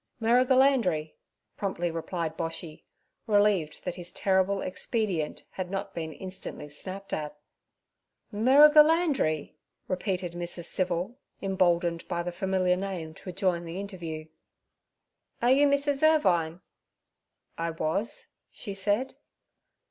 'Merrigulandri' promptly replied Boshy, relieved that his terrible expedient had not been instantly snapped at. 'Merrigulandri' repeated Mrs. Civil, emboldened by the familiar name to join the interview. 'Are you Mrs. Irvine?' 'I was' she said.